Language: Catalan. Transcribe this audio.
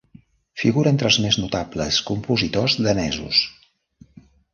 Figura entre els més notables compositors danesos.